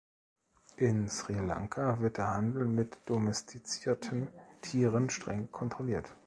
In Sri Lanka wird der Handel mit domestizierten Tieren streng kontrolliert.